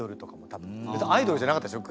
別にアイドルじゃなかったでしょ？